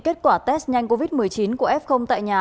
kết quả test nhanh covid một mươi chín của f tại nhà